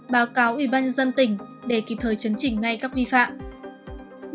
báo cáo ubnd tỉnh để kịp thời chấn chỉnh ngay các vi phạm